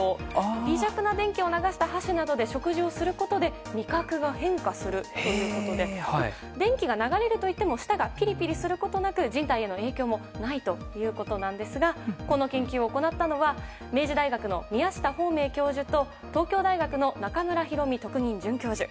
微弱な電気を流した箸などで食事をすることで味覚が変化するということで電気が流れるといっても舌がピリピリすることなく人体への影響もないということですがこの研究を行ったのは明治大学の宮下芳明教授と東京大学の中村裕美特任准教授。